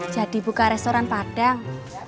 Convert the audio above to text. jadi buka restoran padang